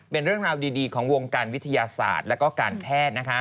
เป็นเรื่องราวดีของวงการวิทยาศาสตร์และการแพทย์